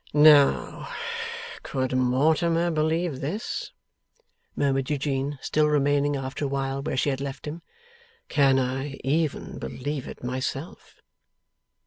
'Now, could Mortimer believe this?' murmured Eugene, still remaining, after a while, where she had left him. 'Can I even believe it myself?